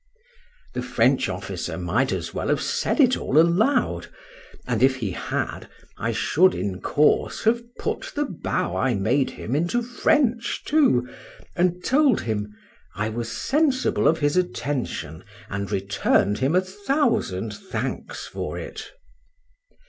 The French officer might as well have said it all aloud: and if he had, I should in course have put the bow I made him into French too, and told him, "I was sensible of his attention, and return'd him a thousand thanks for it."